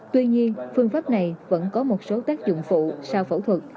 tuy nhiên phương pháp này vẫn có một số tác dụng phụ sau phẫu thuật